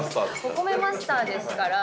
お米マイスターですから。